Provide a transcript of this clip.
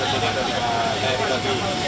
untuk kecilnya ada di kampung